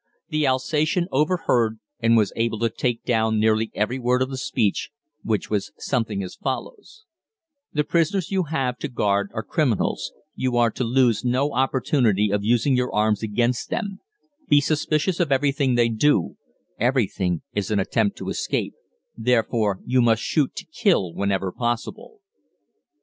The Alsatian overheard and was able to take down nearly every word of the speech, which was something as follows: "The prisoners you have to guard are criminals you are to lose no opportunity of using your arms against them be suspicious of everything they do everything is an attempt to escape; therefore you must shoot to kill whenever possible."